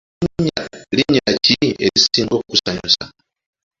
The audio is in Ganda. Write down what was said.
Linnya ki erisinga okukusanyusa?